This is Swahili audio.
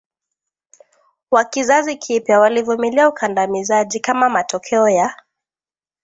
wa kizazi kipya walivumilia ukandamizaji kama matokeo ya